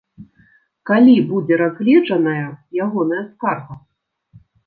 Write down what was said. Калі будзе разгледжаная ягоная скарга?